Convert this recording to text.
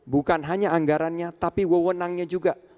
bukan hanya anggarannya tapi wewenangnya juga